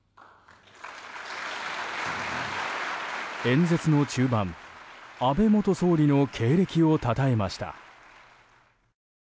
演説の中盤、安倍元総理の経歴をたたえました。